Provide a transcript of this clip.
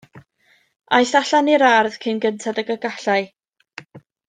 Aeth allan i'r ardd cyn gynted ag y gallai.